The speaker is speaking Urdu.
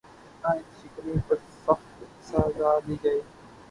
آئین شکنی پر سخت سزا دی جائے